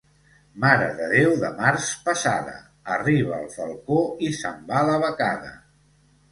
Mare de Déu de març passada, arriba el falcó i se'n va la becada.